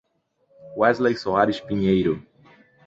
Wesley Soares Pinheiro